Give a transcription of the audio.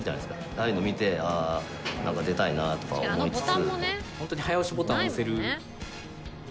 ああいうのを見て出たいなとか思いつつ。